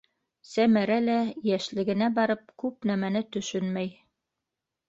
Сәмәрә лә, йәшлегенә барып, күп нәмәне төшөнмәй.